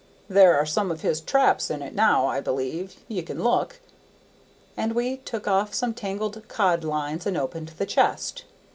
"There are some of his traps in it now, I believe; ye can look." And we took off some tangled cod lines and opened the chest.